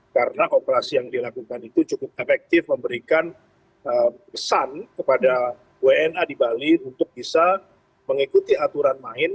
karena operasi yang dilakukan itu cukup efektif memberikan pesan kepada wna di bali untuk bisa mengikuti aturan main